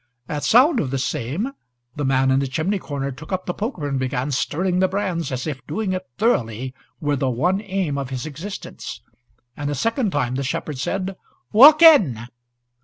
At sound of the same the man in the chimney corner took up the poker and began stirring the fire as if doing it thoroughly were the one aim of his existence, and a second time the shepherd said, "Walk in!"